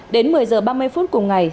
đến một mươi giờ ba mươi phút cùng ngày